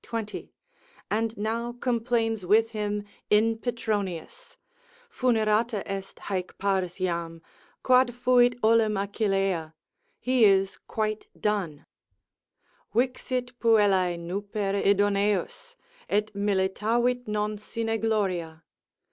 20, and now complains with him in Petronius, funerata est haec pars jam, quad fuit olim Achillea, he is quite done, Vixit puellae nuper idoneus, Et militavit non sine gloria.